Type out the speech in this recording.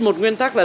một nguyên tắc là